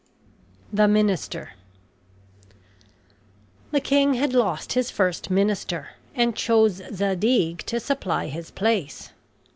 THE MINISTER The king had lost his first minister and chose Zadig to supply his place.